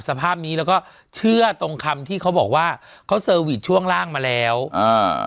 สภาพนี้แล้วก็เชื่อตรงคำที่เขาบอกว่าเขาเซอร์วิสช่วงล่างมาแล้วอ่า